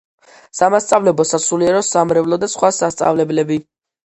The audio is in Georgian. სამასწავლებლო, სასულიერო, სამრევლო და სხვა სასწავლებლები.